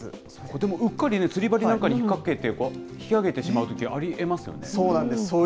でも、うっかり釣り針なんかにひっかけて引き上げてしまうときありえますよね。